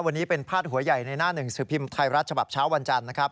วันนี้เป็นพาดหัวใหญ่ในหน้าหนึ่งสือพิมพ์ไทยรัฐฉบับเช้าวันจันทร์นะครับ